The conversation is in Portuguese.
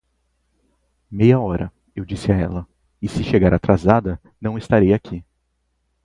Meia hora, eu disse a ela, e se chegar atrasada não estarei aqui.